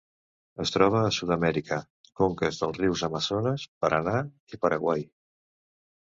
Es troba a Sud-amèrica: conques dels rius Amazones, Paranà i Paraguai.